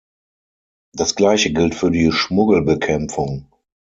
Das Gleiche gilt für die Schmuggelbekämpfung.